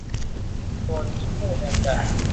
โดยมีผู้แทนจาก